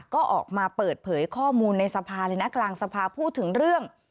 ก็ออกมาเปิดเผยข้อมูลในสภาเลยนะกลางสภาพูดถึงเรื่อง